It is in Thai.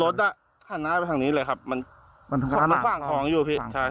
รถตรงนั้นที่ต่อรถอ่ะหันหน้าไปทางนี้เลยครับมันมันคว่างคลองอยู่